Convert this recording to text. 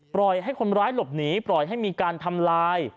ปล่อยให้คนร้ายหลบหนีปล่อยให้มีการทำลาย